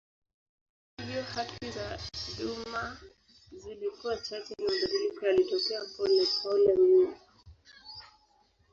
Hata hivyo haki za duma zilikuwa chache na mabadiliko yalitokea polepole mno.